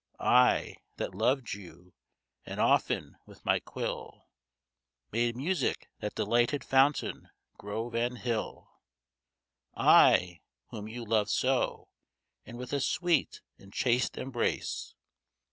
I, that loved you, and often with my quill, Made music that delighted fountain, grove, and hill; I, whom you loved so, and with a sweet and chaste embrace.